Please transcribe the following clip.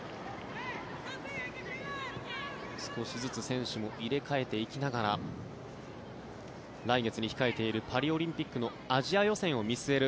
少しずつ選手も入れ替えていきながら来月に控えているパリオリンピックのアジア予選を見据える